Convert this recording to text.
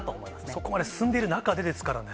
そこまで進んでいる中でですからね。